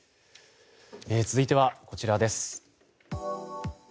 続いては、こちらです。